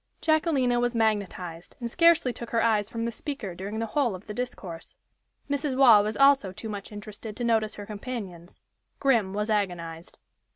Jacquelina was magnetized, and scarcely took her eyes from the speaker during the whole of the discourse. Mrs. Waugh was also too much interested to notice her companions. Grim was agonized.